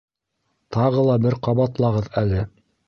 Тағы ла бер ҡабатлағыҙ әле!